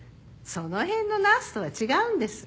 その辺のナースとは違うんです。